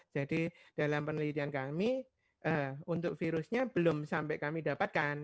jadi dalam penelitian kami untuk virusnya belum sampai kami dapatkan